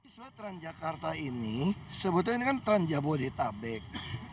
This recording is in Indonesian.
sebuah transjakarta ini sebetulnya kan transjabodetabek